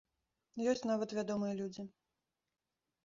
Ёсць нават вядомыя людзі.